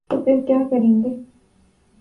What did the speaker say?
تو پھر کیا کریں گے؟